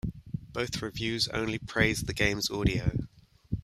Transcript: Both reviews only praised the game's audio.